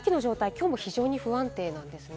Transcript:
きょうも非常に不安定なんですね。